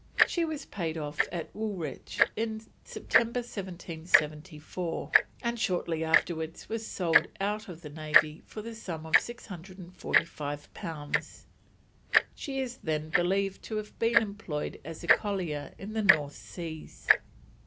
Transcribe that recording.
She was paid off at Woolwich in September 1774, and shortly afterwards was sold out of the Navy for the sum of 645 pounds. She is then believed to have been employed as a collier in the North Seas.